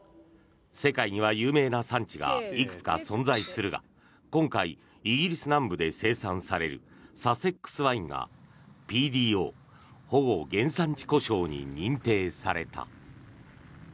世界には有名な産地がいくつか存在するが今回、イギリス南部で生産されるサセックス・ワインがＰＤＯ・保護原産地呼称に認定された。